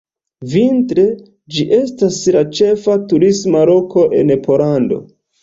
Vintre, ĝi estas la ĉefa turisma loko en Pollando.